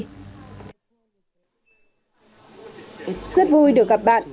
rất vui được gặp bạn